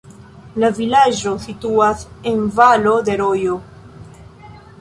La vilaĝo situas en valo de rojo.